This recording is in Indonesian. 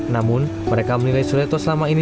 namun mereka menilai suleto selama ini